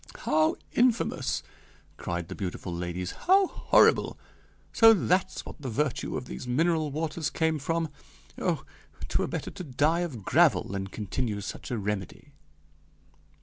"How infamous!" cried the beautiful ladies "how horrible! So that's what the virtue of these mineral waters came from! Oh, 'twere better to die of gravel than continue such a remedy!"